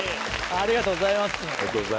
ありがとうございます。